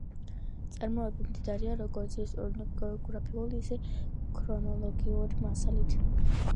ნაწარმოები მდიდარია როგორც ისტორიულ-გეოგრაფიული, ისე ქრონოლოგიური მასალით.